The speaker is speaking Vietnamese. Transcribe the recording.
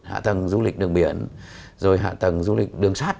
hạ tầng du lịch đường biển rồi hạ tầng du lịch đường sát